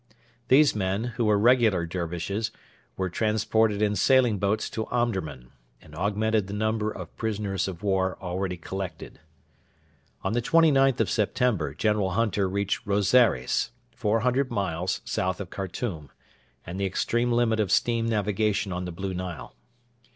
These men, who were regular Dervishes, were transported in sailing boats to Omdurman; and augmented the number of prisoners of war already collected. On the 29th of September General Hunter reached Rosaires, 400 miles south of Khartoum, and the extreme limit of steam navigation on the Blue Nile.